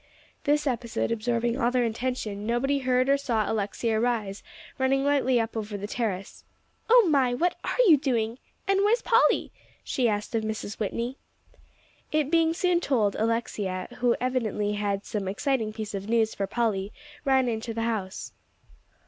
This episode absorbing all their attention, nobody heard or saw Alexia Rhys, running lightly up over the terrace. "Oh, my! what are you doing? And where's Polly?" she asked of Mrs. Whitney. It being soon told, Alexia, who evidently had some exciting piece of news for Polly, ran into the house.